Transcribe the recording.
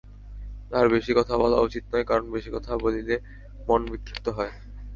তাঁহার বেশী কথা বলা উচিত নয়, কারণ বেশী কথা বলিলে মন বিক্ষিপ্ত হয়।